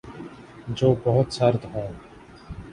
جو بہت سرد ہوں